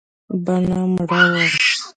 بڼه يې مړه وه .